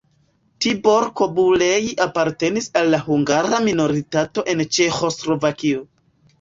Tibor Kobulej apartenis al la hungara minoritato en Ĉeĥoslovakio.